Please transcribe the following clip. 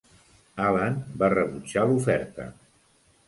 Allen va rebutjar l'oferta.